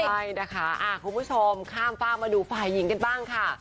ใช่นะคะคุณผู้ชมข้ามฝากมาดูฝ่ายหญิงกันบ้างค่ะ